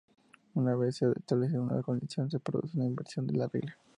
Una vez se ha establecido esta condición, se produce una inversión de la regla.